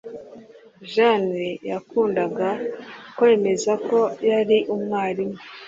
Jane yakundaga kwemeza ko yari umwarimu.